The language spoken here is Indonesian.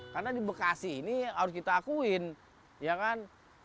karena di bekasi ini harus kita akuin ya kan